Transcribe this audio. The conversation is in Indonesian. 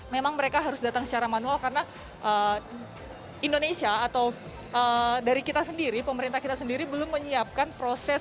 memang mereka harus datang secara manual karena indonesia atau dari kita sendiri pemerintah kita sendiri belum menyiapkan proses